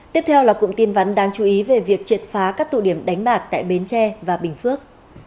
tiếp theo là cụm tin vắn đáng chú ý về việc triệt phá các tụ điểm đánh bạc tại bến tre và bình phước